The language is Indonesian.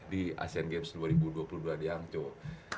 di asean games dua ribu dua puluh dua di hangzhou